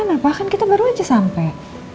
kamu mau kemana pak kan kita baru aja sampai